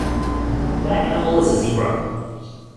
That animal is a Zebra.